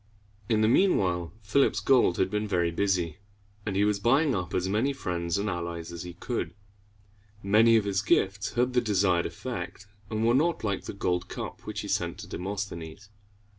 In the mean while, Philip's gold had been very busy, and he was buying up as many friends and allies as he could. Many of his gifts had the desired effect, and were not like the gold cup which he sent to Demosthenes.